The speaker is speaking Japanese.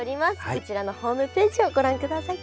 こちらのホームページをご覧ください。